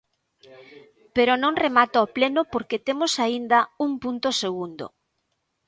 Pero non remata o pleno porque temos aínda un punto segundo.